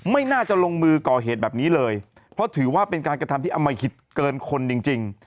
ไม่น่าจะลงมือก่อเหตุแบบนี้เลยเพราะถือว่าเป็นการกระทำที่อมหิตเกินคนจริง